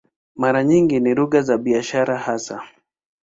Mara nyingi ni lugha za biashara hasa.